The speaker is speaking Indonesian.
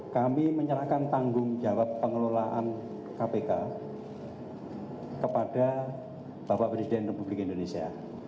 kami menyerahkan tanggung jawab pengelolaan kpk kepada bapak presiden republik indonesia